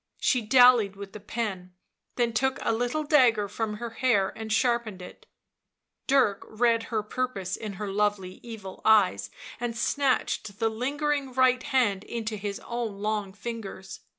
She dallied with the pen; then took a little dagger from her hair and sharpened it; Dirk read her purpose in her lovely evil eyes, and snatched the lingering right hand into his own long fingers.